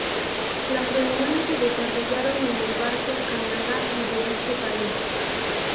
Las reuniones se desarrollaron en el barco "Canadá", de dicho país.